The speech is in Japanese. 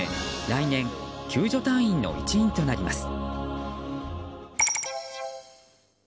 来年、救助隊員の一員となります。